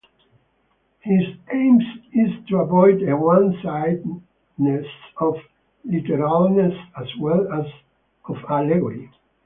His aim is to avoid a one-sidedness of literalness as well as of allegory.